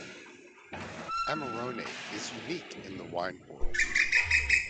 Amarone is unique in the wine world.